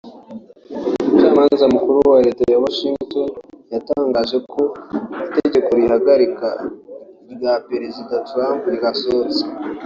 umucamanza mukuru wa Leta ya Washington yatangaje ko itegeko rihagarika irya Prezida Trump ryasohotse